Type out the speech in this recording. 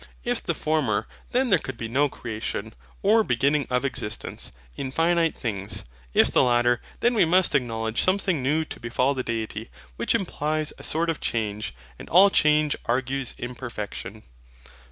If the former, then there could be no creation, or beginning of existence, in finite things. If the latter, then we must acknowledge something new to befall the Deity; which implies a sort of change: and all change argues imperfection.